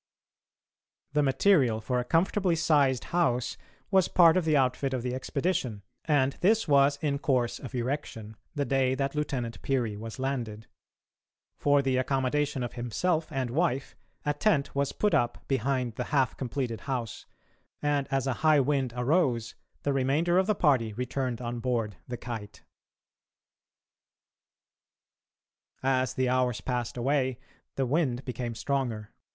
The material for a comfortably sized house was part of the outfit of the expedition, and this was in course of erection the day that Lieutenant Peary was landed. For the accommodation of himself and wife, a tent was put up behind the half completed house, and, as a high wind arose, the remainder of the party returned on board the Kite. As the hours passed away the wind became stronger.